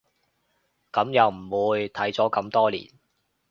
噉又唔會，睇咗咁多年